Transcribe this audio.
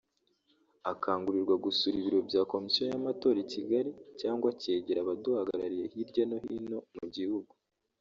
akangurirwa gusura ibiro bya Komisiyo y’Amatora i Kigali cyangwa akegera abaduhagarariye hirya no hino mu gihugu